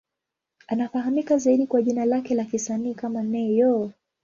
Anafahamika zaidi kwa jina lake la kisanii kama Ne-Yo.